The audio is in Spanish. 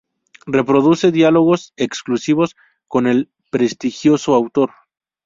Reproduce diálogos exclusivos con el prestigioso autor.